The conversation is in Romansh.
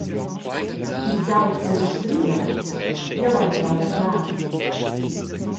Ils augs ell’ustria? –Jeu hai menau la clav.